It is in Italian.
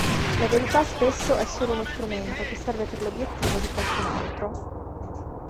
La verità spesso è solo uno strumento che serve per l'obiettivo di qualcun altro".